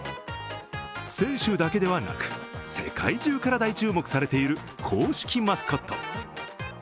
選手だけではなく、世界中から大注目されている公式マスコット。